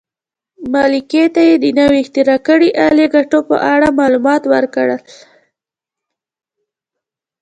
ملکې ته یې د نوې اختراع کړې الې ګټو په اړه معلومات ورکړل.